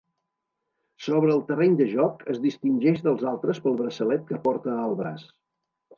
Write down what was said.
Sobre el terreny de joc, es distingeix dels altres pel braçalet que porta al braç.